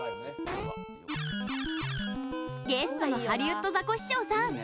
ゲストのハリウッドザコシショウさん